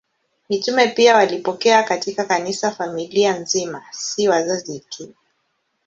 Mitume pia walipokea katika Kanisa familia nzima, si wazazi tu.